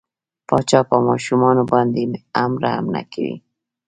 پاچا په ماشومان باندې هم رحم نه کوي.